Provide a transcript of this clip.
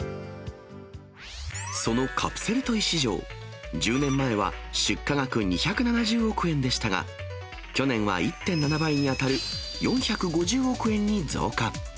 そのカプセルトイ市場、１０年前は出荷額２７０億円でしたが、去年は１．７倍に当たる４５０億円に増加。